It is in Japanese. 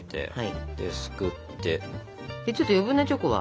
ちょっと余分なチョコは。